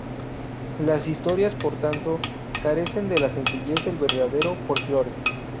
Las historias, por tanto, carecen de la sencillez del verdadero folklore.